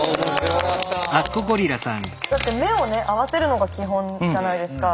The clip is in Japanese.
だって目を合わせるのが基本じゃないですか。